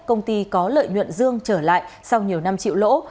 công ty có lợi nhuận dương trở lại sau nhiều năm chịu lỗ